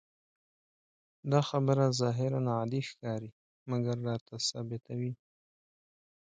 دا خبره ظاهراً عادي ښکاري، مګر راته ثابتوي.